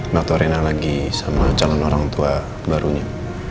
maksudnya rina lagi sama calon orang tua barunya